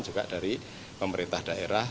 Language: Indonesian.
juga dari pemerintah daerah